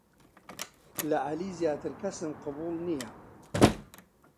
لە عەلی زیاتر کەسم قەبووڵ نییە.